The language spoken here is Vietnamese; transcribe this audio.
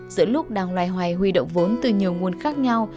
mỗi lúc đang loay hoay huy động vốn từ nhiều nguồn khác nhau